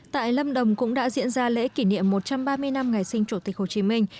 tại lâm đồng cũng đã diễn ra lễ kỷ niệm một trăm ba mươi năm ngày sinh chủ tịch hồ chí minh